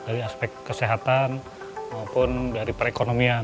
dari aspek kesehatan maupun dari perekonomian